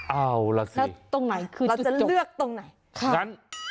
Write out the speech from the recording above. เอาล่ะสิเราจะเลือกตรงไหน